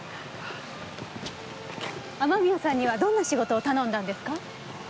雨宮さんにはどんな仕事を頼んだんですか？